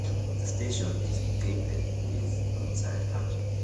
The station is equipped with onsite parking.